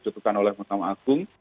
sudah dicetukan oleh pertama agung